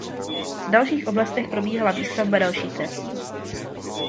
V dalších letech probíhala výstavba dalších tratí.